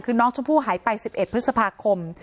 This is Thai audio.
คือน้องชมพู่หายไป๑๑พฤษภาคม